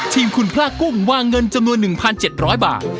ทีมคุณพระกุ้งวางเงินจำนวน๑๗๐๐บาท